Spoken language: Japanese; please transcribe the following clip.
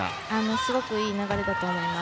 すごくいい流れだと思います。